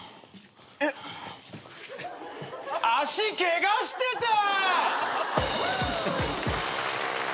えっ足ケガしてた！